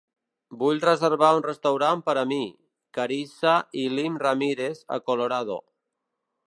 Vull reservar un restaurant per a mi, Carissa i Lynn Ramirez a Colorado.